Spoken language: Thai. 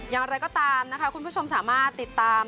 อย่างไรก็ตามนะคะคุณผู้ชมสามารถติดตาม